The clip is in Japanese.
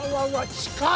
近い！